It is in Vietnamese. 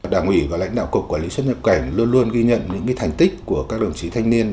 đảng ủy và lãnh đạo cục quản lý xuất nhập cảnh luôn luôn ghi nhận những thành tích của các đồng chí thanh niên